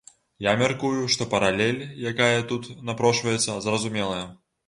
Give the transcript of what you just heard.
Я мяркую, што паралель, якая тут напрошваецца, зразумелая.